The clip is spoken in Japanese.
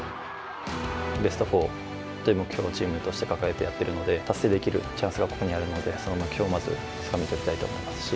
ベスト４という目標をチームとして掲げてやっているので達成できるチャンスがあるのでそれをまずつかみ取りたいと思いますし。